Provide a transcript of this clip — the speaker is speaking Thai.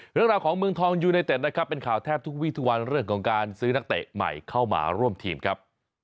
เรื่องราวของเมืองทองยูไนเต็ดนะครับเป็นข่าวแทบทุกวีทุกวันเรื่องของการซื้อนักเตะใหม่เข้ามาร่วมทีมครับ